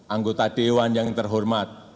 anggota dewan yang terhormat